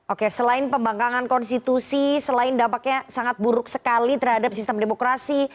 oke selain pembangkangan konstitusi selain dampaknya sangat buruk sekali terhadap sistem demokrasi